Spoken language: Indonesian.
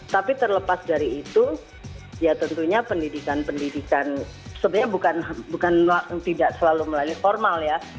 tapi terlepas dari itu ya tentunya pendidikan pendidikan sebenarnya bukan tidak selalu melalui formal ya